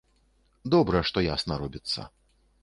Добра, што ясна робіцца.